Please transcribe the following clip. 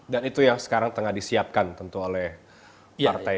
dan itu yang sekarang tengah disiapkan tentu oleh partai gelora